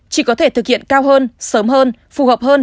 chỉ có thể thực hiện cao hơn sớm hơn phù hợp hơn